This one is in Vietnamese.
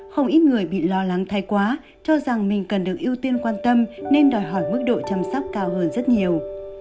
không ít người bị lo lắng thay quá cho rằng mình cần được ưu tiên quan tâm nên đòi hỏi mức độ chăm sóc cao hơn rất nhiều